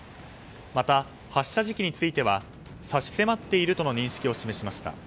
また発射時期については差し迫っているとの認識を示しました。